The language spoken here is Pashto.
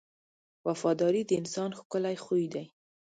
• وفاداري د انسان ښکلی خوی دی.